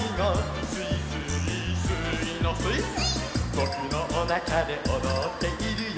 「ぼくのおなかでおどっているよ」